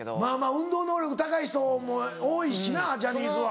運動能力高い人も多いしなジャニーズは。